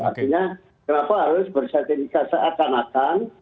artinya kenapa harus bersertifikat seakan akan